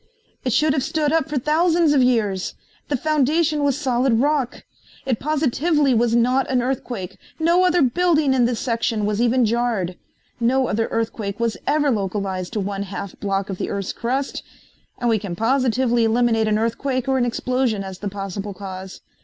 It should have stood up for thousands of years. The foundation was solid rock. It positively was not an earthquake. No other building in the section was even jarred. No other earthquake was ever localized to one half block of the earth's crust, and we can positively eliminate an earthquake or an explosion as the possible cause.